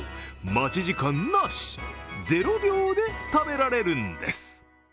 待ち時間なし、０秒で食べられるんです。